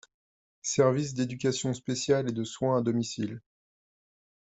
Service d’éducation spéciale et de soins à domicile.